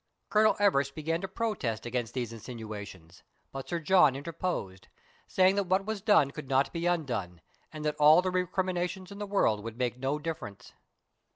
Colonel Everest began to protest against these insinuations, but Sir John interposed, saying that what was done could not be undone, and that all the recriminations in the world would make no difference.